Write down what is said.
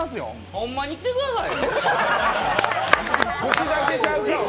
ほんまに来てください。